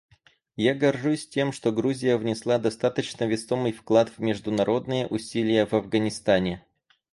Я горжусь тем, что Грузия внесла достаточно весомый вклад в международные усилия в Афганистане.